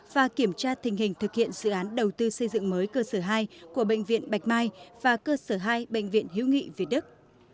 và kiểm tra tình hình thực hiện dự án đầu tư xây dựng mới cơ sở hai của bệnh viện bạch mai và cơ sở hai bệnh viện hiếu nghị việt đức